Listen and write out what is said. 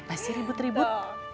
pelihara hari tua